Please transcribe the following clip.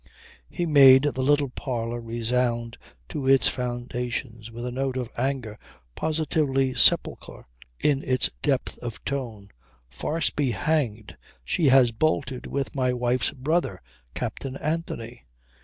He made the little parlour resound to its foundations with a note of anger positively sepulchral in its depth of tone. "Farce be hanged! She has bolted with my wife's brother, Captain Anthony."